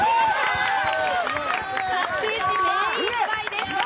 ステージ目いっぱいです。